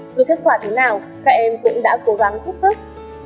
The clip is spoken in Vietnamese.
dù kết quả thế nào các em cũng đã cố gắng hết sức